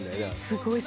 すごい。